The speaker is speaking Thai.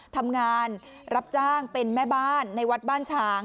ทำงานรับจ้างเป็นแม่บ้านในวัดบ้านฉาง